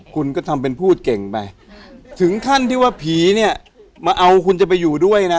คุณก็ทำเป็นพูดเก่งไปถึงขั้นที่ว่าผีเนี่ยมาเอาคุณจะไปอยู่ด้วยนะ